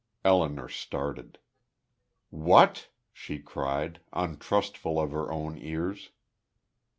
Elinor started. "What!" she cried, untrustful of her own ears.